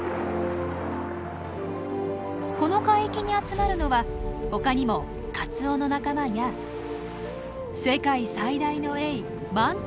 この海域に集まるのはほかにもカツオの仲間や世界最大のエイマンタも。